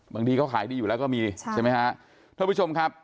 บางทีเขาขายดีอยู่แล้วก็มีใช่ไหมฮะท่านผู้ชมครับ